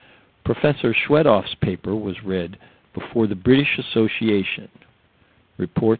Prof. Schwedoff's paper was read before the British Association (_Rept.